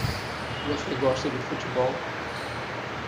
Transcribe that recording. Você gosta de futebol?